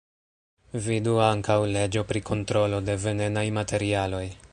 Vidu ankaŭ: leĝo pri kontrolo de venenaj materialoj.